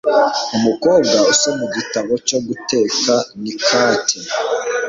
Umukobwa usoma igitabo cyo guteka ni Kate.